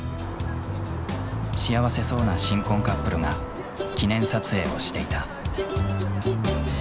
幸せそうな新婚カップルが記念撮影をしていた。